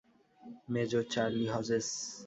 Major Charlie Hodges.